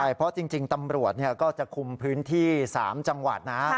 ใช่เพราะจริงตำรวจก็จะคุมพื้นที่๓จังหวัดนะ